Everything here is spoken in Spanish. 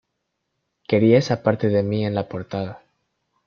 Quería esa parte de mí en la portada.